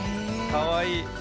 かわいい。